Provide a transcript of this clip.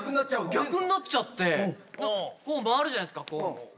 逆になっちゃって、こう、回るじゃないですか、こう。